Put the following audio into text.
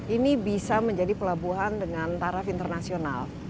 ini bisa menjadi pelabuhan dengan taraf internasional